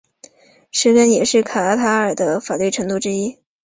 石刑也是卡塔尔的法律惩罚之一。